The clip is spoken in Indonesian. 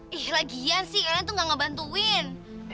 hai eh lagian sih itu nggak ngebantuin